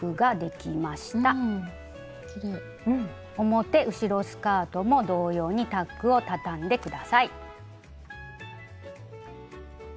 表後ろスカートも同様にタックをたたんで下さい。